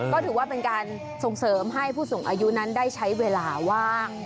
ก็ถือว่าเป็นการส่งเสริมให้ผู้สูงอายุนั้นได้ใช้เวลาว่าง